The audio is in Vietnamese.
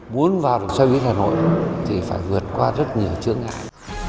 muốn vào được xoay bít hà nội thì phải vượt qua rất nhiều chương án